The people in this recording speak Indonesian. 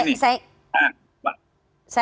masih ada tuh saya